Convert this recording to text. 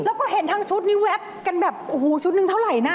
แล้วก็เห็นทั้งชุดนี้แวบกันแบบโอ้โหชุดหนึ่งเท่าไหร่นะ